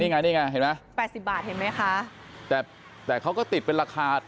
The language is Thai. นี่ไงพูดป่าว๘๐บาทเห็นมั้ยค่ะ